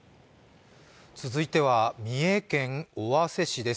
続いては三重県尾鷲市です。